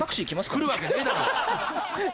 来るわけねえだろ！